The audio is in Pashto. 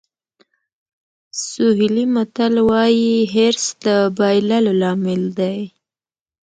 سوهیلي متل وایي حرص د بایللو لامل دی.